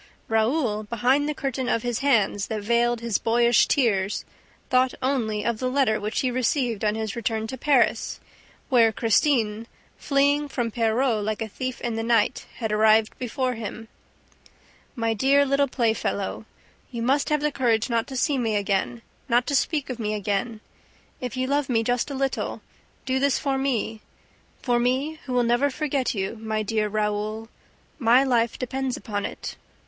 Raoul, behind the curtain of his hands that veiled his boyish tears, thought only of the letter which he received on his return to Paris, where Christine, fleeing from Perros like a thief in the night, had arrived before him: MY DEAR LITTLE PLAYFELLOW: You must have the courage not to see me again, not to speak of me again. If you love me just a little, do this for me, for me who will never forget you, my dear Raoul. My life depends upon it.